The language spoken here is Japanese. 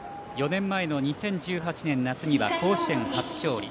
４年前の２０１８年に夏には甲子園初勝利。